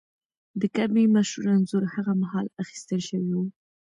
د کعبې مشهور انځور هغه مهال اخیستل شوی و.